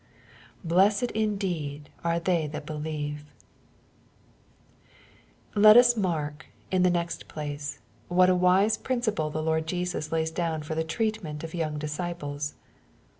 Blessed Hideed are they that believe 1 Let us mark, in the next place, what a tmse principle the Lord Jesus lays dovmfor the treatment of young disciples.